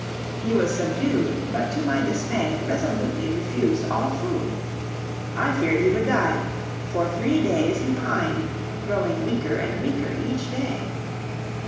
He was subdued, but to my dismay resolutely refused all food. I feared he would die; for three days he pined, growing weaker and weaker each day.